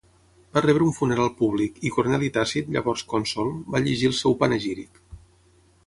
Va rebre un funeral públic i Corneli Tàcit, llavors cònsol, va llegir el seu panegíric.